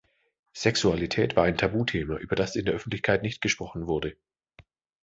Sexualität war ein Tabu-Thema, über das in der Öffentlichkeit nicht gesprochen wurde.